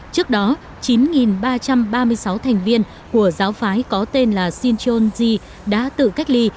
trước đó chín ba trăm ba mươi sáu thành viên của giáo phái có tên là shincheonji đã tự cách ly